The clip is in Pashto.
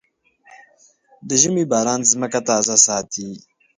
د ژمي باران ځمکه تازه ساتي.